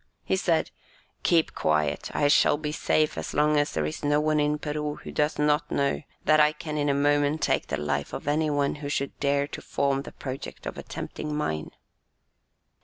He said "Keep quiet, I shall be safe as long as there is no one in Peru who does not know that I can in a moment take the life of any one who should dare to form the project of attempting mine."